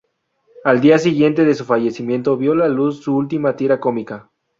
Al día siguiente de su fallecimiento vio la luz su última tira cómica.